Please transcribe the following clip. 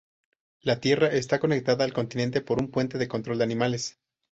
La tierra está conectada al continente por un puente de control de animales.